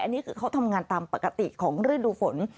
อันนี้คือเขาทำงานตามปกติของฤดูฝน